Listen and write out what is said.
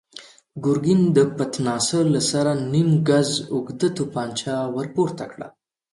ګرګين د پتناسه له سره نيم ګز اوږده توپانچه ور پورته کړه.